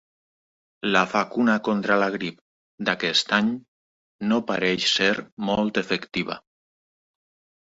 La vacuna contra la grip d'aquest any no pareix ser molt efectiva.